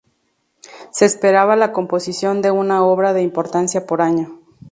Se esperaba la composición de una obra de importancia por año.